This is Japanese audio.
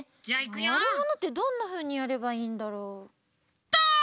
ワルモノってどんなふうにやればいいんだろう。